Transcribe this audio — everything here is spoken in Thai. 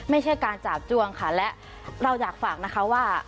ไม่ใช่การจาบจวงค่ะและเราอยากฝากนะคะว่า